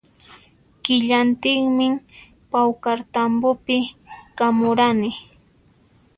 Killantinmi pawkartambopi kamurani